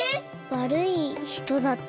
わるいひとだったの？